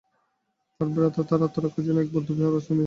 তাঁর ভ্রাতা তখন আত্মরক্ষার জন্য এক বৌদ্ধ বিহারে আশ্রয় নিয়েছিলেন।